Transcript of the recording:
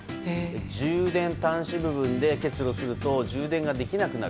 充電端子部分で結露すると充電ができなくなる。